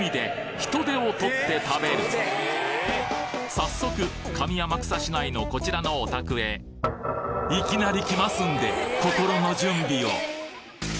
早速上天草市内のこちらのお宅へいきなり来ますんで心の準備を！